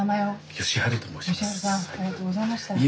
義晴さんありがとうございました。